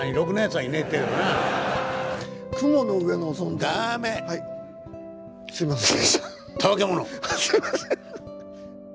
はいすいません。